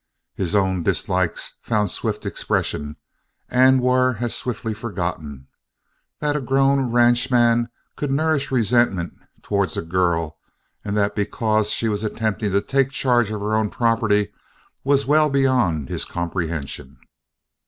His own dislikes found swift expression and were as swiftly forgotten; that a grown ranchman could nourish resentment towards a girl, and that because she was attempting to take charge of her own property, was well beyond his comprehension.